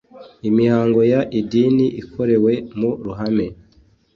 imihango y idini ikorewe mu ruhame